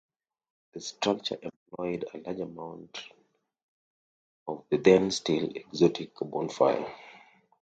The structure employed a large amount of the then still exotic carbon fibre.